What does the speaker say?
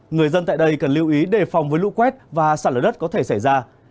người dân tại đây cần lưu ý đề phòng với lũ quét và sạt lở đất có thể xảy ra